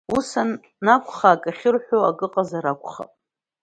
Ус анакәха акы ахьырҳәо акы ыҟазар акәхап!